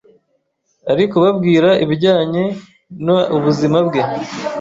ari kubabwira ibijyanye na ubuzima bwe,